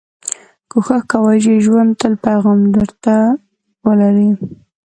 کوښښ کوئ، چي ژوند تل پیغام در ته ولري.